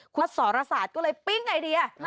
คุณยอดสรษาตรก็เลยปิ๊งไอเดีย